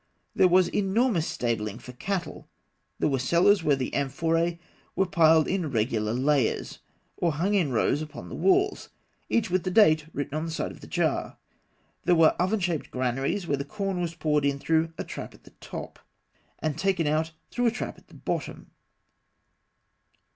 There was enormous stabling for cattle; there were cellars where the amphorae were piled in regular layers (fig. 43), or hung in rows upon the walls, each with the date written on the side of the jar; there were oven shaped granaries where the corn was poured in through a trap at the top (fig. 44), and taken out through a trap at the bottom.